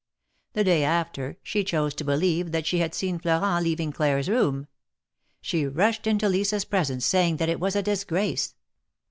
The day after, she chose to believe that she had seen Florent leave Claire's room. She rushed into Lisa's presence, saying that it was a disgrace.